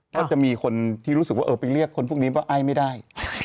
ก็จะมีคนที่รู้สึกว่าเออไปเรียกคนพวกนี้ว่าไอ้ไม่ได้